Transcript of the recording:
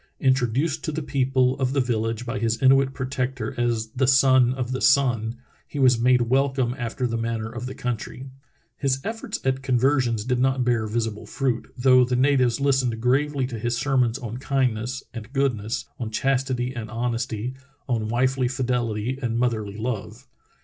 Introduced to the people of the village by his Inuit protector as the Son of the Sun, he was made welcome after the manner of the country. His efforts at conver sions did not bear visible fruit, though the natives lis tened gravely to his sermons on kindness and goodness, on chastity and honesty, on wifely fidelity and moth erly love.